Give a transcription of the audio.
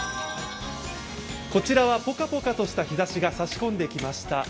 こちらはポカポカとした日ざしが差し込んできました。